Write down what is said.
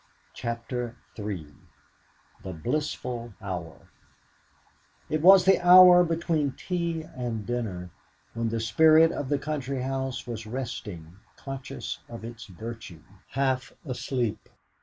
CHAPTER III THE BLISSFUL HOUR It was the hour between tea and dinner, when the spirit of the country house was resting, conscious of its virtue, half asleep.